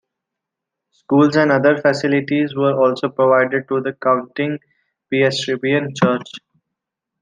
Schools and other facilities were also provided to the continuing Presbyterian church.